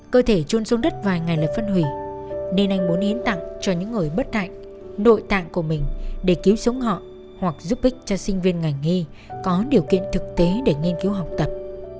cơ thể trôn xuống đất vài ngày là phân hủy nên anh muốn hiến tặng cho những người bất hạnh nội tạng của mình để cứu sống họ hoặc giúp ích cho sinh viên ngành nghi có điều kiện thực tế để nghiên cứu học tập